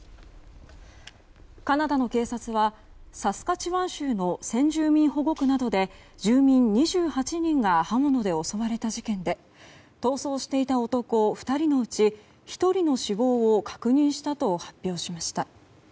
カナダの警察はサスカチワン州の先住民保護区などで住民２８人が刃物で襲われた事件で逃走していた男２人のうち１人の死亡を確認したと発表しました。